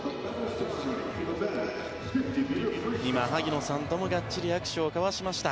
今、萩野さんともがっちり握手を交わしました。